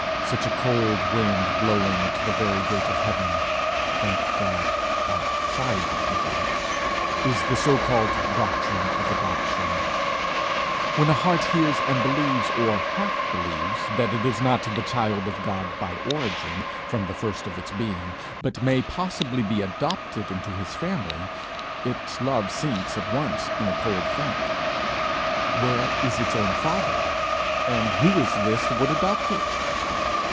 Such a cold wind blowing at the very gate of heaven thank God, outside the gate! is the so called doctrine of Adoption. When a heart hears and believes, or half believes that it is not the child of God by origin, from the first of its being, but may possibly be adopted into his family, its love sinks at once in a cold faint: where is its own father, and who is this that would adopt it?